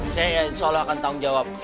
saya insya allah akan tanggung jawab